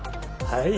はい